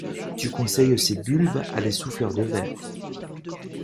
Tu conseilles ces bulbes à des souffleurs de verre.